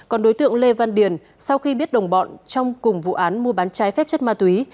còn đối tượng lê văn điền sau khi biết đồng bọn trong cùng vụ án mua bán trái phép chất ma túy